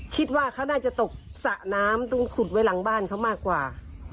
คิดว่าเขาน่าจะตกสระน้ำตรงขุดไว้หลังบ้านเขามากกว่า